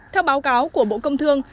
theo báo cáo của bộ công thương